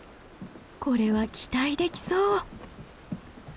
これは期待できそう。